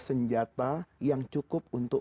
senjata yang cukup untuk